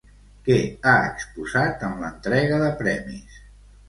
Què ha exposat en l'entrega de premis?